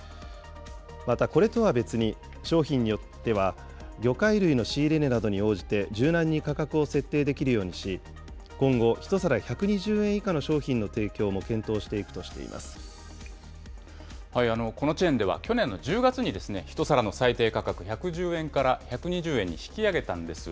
また、これとは別に商品によっては、魚介類の仕入れ値などに応じて柔軟に価格を設定できるようにし、今後、１皿１２０円以下の商品の提供も検討していくとしていこのチェーンでは去年の１０月に１皿の最低価格１１０円から１２０円に引き上げたんです。